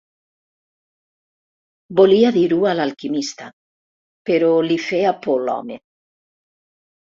Volia dir-ho al alquimista, però li feia por l'home.